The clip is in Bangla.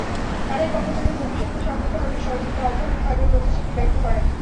তাদের পক্ষ থেকে ভবিষ্যতেও সকল ধরনের সহযোগিতা অব্যাহত থাকবে প্রতিশ্রুতি ব্যক্ত করেন।